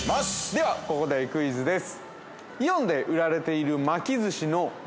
◆では、ここでクイズです。